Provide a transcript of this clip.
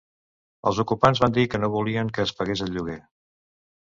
Els ocupants van dir que no volien que es pagués el lloguer.